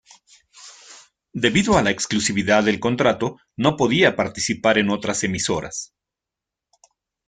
Debido a la exclusividad del contrato no podía participar en otras emisoras.